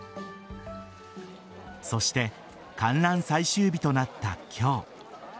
そして、観覧最終日となった今日。